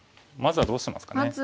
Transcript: まずはどうしますかね。